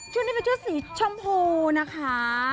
ชุดนี้เป็นชุดสีชมพูนะคะ